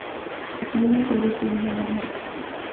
Estudió en el Colegio Villa María.